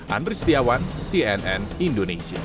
andri setiawan cnn indonesia